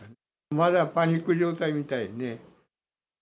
まだパニック状態みたいね。